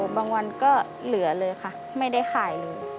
บางวันก็เหลือเลยค่ะไม่ได้ขายเลย